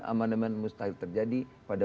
amendement mustahil terjadi pada